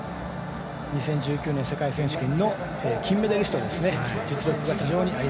２０１９年の世界選手権の金メダリストですね。